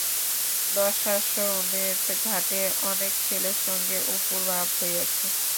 দশাশ্বমেধ ঘাটে অনেক ছেলের সঙ্গে অপুর ভাব হইয়াছে।